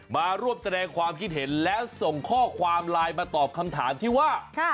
มาร่วมแสดงความคิดเห็นแล้วส่งข้อความไลน์มาตอบคำถามที่ว่า